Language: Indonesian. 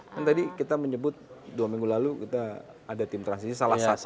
kan tadi kita menyebut dua minggu lalu kita ada tim transisi salah satu